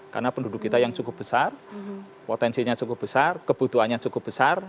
karena penduduk kita yang cukup besar potensinya cukup besar kebutuhannya cukup besar